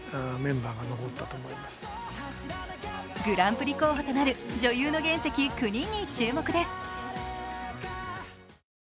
グランプリ候補となる女優の原石９人に注目です。